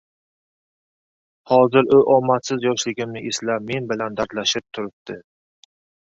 Hozir u omadsiz yoshligimni eslab men bilan dardlashib turibdi